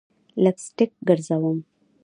لپ سټک ګرزوم